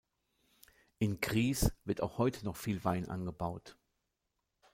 In Gries wird auch heute noch viel Wein angebaut.